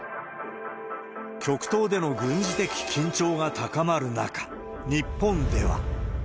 極東での軍事的緊張が高まる中、日本では。